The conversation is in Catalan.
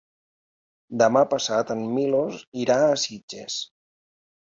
Demà passat en Milos irà a Sitges.